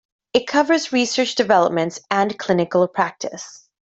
It covers research developments and clinical practice.